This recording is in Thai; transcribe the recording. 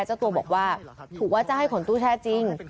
เจ้าตัวบอกว่าถูกว่าจะให้ขนตู้แช่จริง